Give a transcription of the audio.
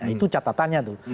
itu catatannya tuh